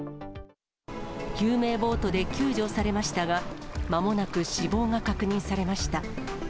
救命ボートで救助されましたが、まもなく死亡が確認されました。